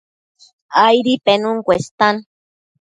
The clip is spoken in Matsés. Aidi penun cuestan